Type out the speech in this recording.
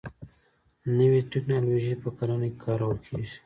نوي ټيکنالوژي په کرنه کي کارول کيږي.